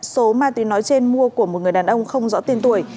số ma túy nói trên mua của một người đàn ông không rõ tên tuổi